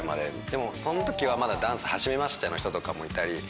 でも、そのときはまだ、ダンス初めましての人とかもいたり。